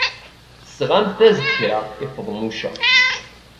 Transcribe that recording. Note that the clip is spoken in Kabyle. Tesɣamt-as-d kra i Feḍmuca.